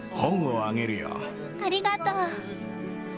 ありがとう。